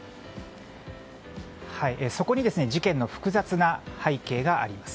そこに事件の複雑な背景があります。